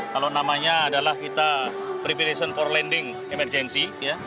kalau namanya adalah kita preparation for landing emergency